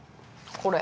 これ。